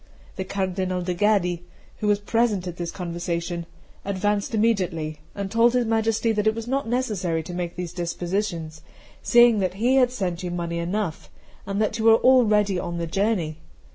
The Cardinal de' Gaddi, who was present at this conversation, advanced immediately, and told his Majesty that it was not necessary to make these dispositions, seeing that he had sent you money enough, and that you were already on the journey.